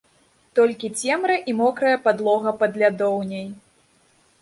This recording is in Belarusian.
Толькі цемра і мокрая падлога пад лядоўняй.